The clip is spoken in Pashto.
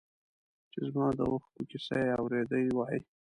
چې زما د اوښکو کیسه یې اورېدی وای.